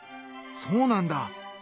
そうなんだ！